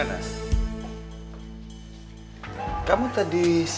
tidak ada yang bisa